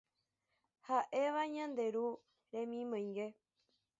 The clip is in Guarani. ha'éva Ñande Ru remimoĩngue